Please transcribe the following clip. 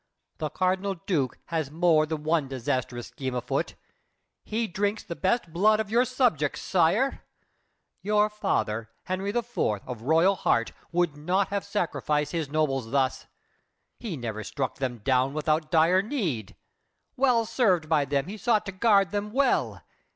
The Cardinal Duke Has more than one disastrous scheme afoot. He drinks the best blood of your subjects, sire! Your father, Henry IV., of royal heart, Would not have sacrificed his nobles thus! He never struck them down without dire need! Well served by them, he sought to guard them well.